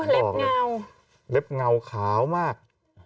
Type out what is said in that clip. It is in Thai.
เล็บเงาเล็บเงาขาวมาก